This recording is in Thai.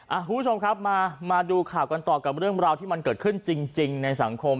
คุณผู้ชมครับมามาดูข่าวกันต่อกับเรื่องราวที่มันเกิดขึ้นจริงในสังคม